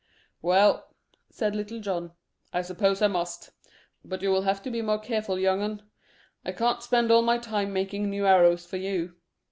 "Well," said Little John, "I suppose I must; but you will have to be more careful, young un. I can't spend all my time making new arrows for you.